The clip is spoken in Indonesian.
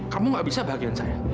kamu gak bisa bahagia dengan saya